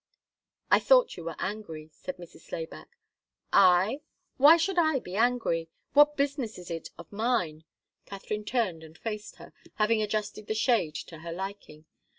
"I thought you were angry," said Mrs. Slayback. "I? Why should I be angry? What business is it of mine?" Katharine turned and faced her, having adjusted the shade to her liking.